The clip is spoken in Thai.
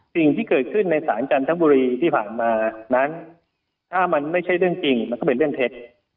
สิ่งที่เกิดขึ้นในสารจันทบุรีที่ผ่านมานั้นถ้ามันไม่ใช่เรื่องจริงมันก็เป็นเรื่องเท็จ